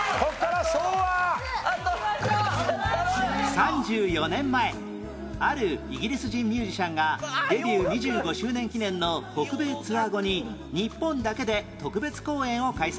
３４年前あるイギリス人ミュージシャンがデビュー２５周年記念の北米ツアー後に日本だけで特別公演を開催